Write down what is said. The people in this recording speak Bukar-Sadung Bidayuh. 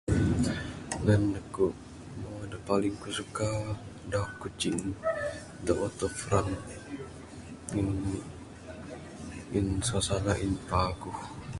Nehen da paling ku suka da Kuching da waterfront ngin suasana ain paguh.